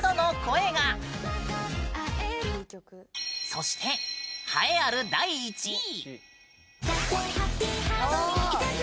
そして、栄えある第１位！